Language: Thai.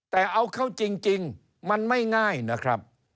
แต่เอาเข้าจริงมันไม่ง่ายนะครับ